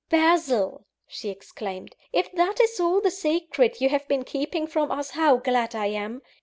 "Basil!" she exclaimed, "if that is all the secret you have been keeping from us, how glad I am!